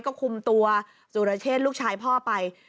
ก็คุมตัวสุรเชษลูกชายพ่อไป